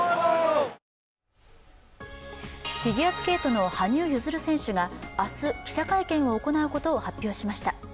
フィギュアスケートの羽生結弦選手が明日、記者会見を行うことを発表しました。